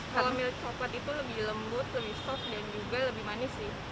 kalau milih coklat itu lebih lembut lebih soft dan juga lebih manis sih